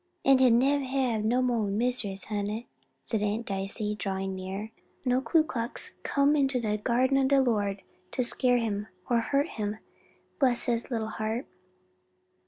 "An' he neber hab no mo' miseries, honey," said Aunt Dicey, drawing near; "no Ku Klux come into de garden ob de Lord to scare him or hurt him; bress his little heart!"